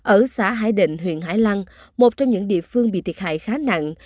ở xã hải định huyện hải lăng một trong những địa phương bị thiệt hại khá nặng